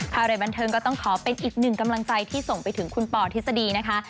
อะไรบันเทิงก็ต้องขอเป็นอีกหนึ่งกำลังใจที่ส่งไปถึงคุณปอทฤษฎีนะคะ